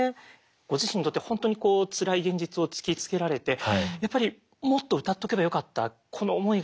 ご自身にとって本当にこうつらい現実を突きつけられてやっぱりもっと歌っておけばよかったこの思いが随分強くなったみたいですね。